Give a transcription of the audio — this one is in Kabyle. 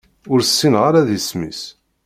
Ur ssineɣ ula d isem-is.